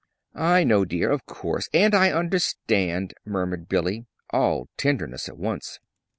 "I know, dear, of course, and I understand," murmured Billy, all tenderness at once.